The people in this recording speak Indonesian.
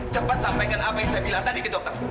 cepat sampaikan apa yang saya bilang tadi ke dokter